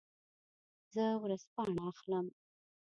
زه ورځپاڼه اخلم.